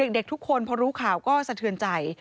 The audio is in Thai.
เด็กทุกคนพอรู้ข่าวก็สะเทือนใจ